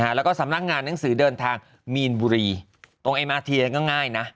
แล้วก็สำนักงานหนังสือเดินทางมีนบุรีตรงเอมาเทียก็ง่ายนะ